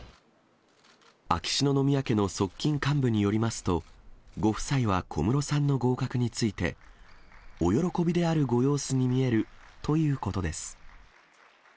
秋篠宮家の側近幹部によりますと、ご夫妻は小室さんの合格について、お喜びであるご様子に見えるということです。